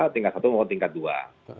tingkat satu maupun tingkat dua